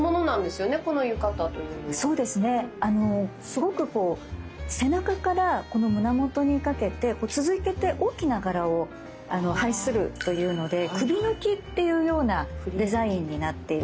すごくこう背中からこの胸元にかけて続いてて大きな柄を配するというので「首抜き」っていうようなデザインになっているんですね。